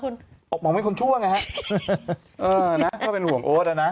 โคมองไม่ควรชั่วไงนะเออนะก็เป็นห่วงโอ๊ตละนะ